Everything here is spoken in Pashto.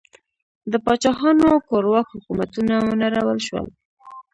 د پاچاهانو کورواک حکومتونه ونړول شول.